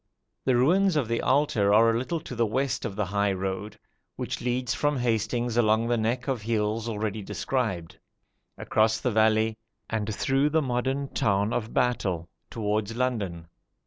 The ruins of the altar are a little to the west of the high road, which leads from Hastings along the neck of hills already described, across the valley, and through the modern town of Battle, towards London.